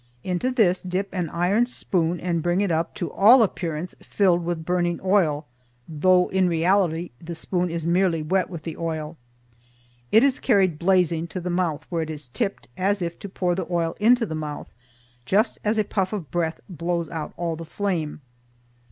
Into this dip an iron spoon and bring it up to all appearance, filled with burning oil, though in reality the spoon is merely wet with the oil. It is carried blazing to the mouth, where it is tipped, as if to pour the oil into the mouth, just as a puff of breath blows out all the flame.